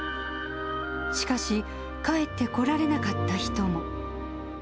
しかし、帰ってこられなかった人も。